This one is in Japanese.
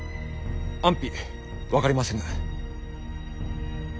安否分かりませぬ。